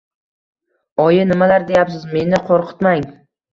Oyi, nimalar deyapsiz, meni qo`rqitmang